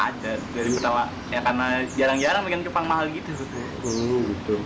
ada dari ketawa karena jarang jarang bikin cupang mahal gitu